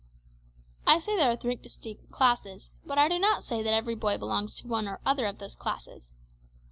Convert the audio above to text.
I say there are three distinct classes, but I do not say that every boy belongs to one or other of those classes.